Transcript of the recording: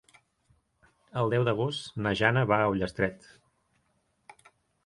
El deu d'agost na Jana va a Ullastret.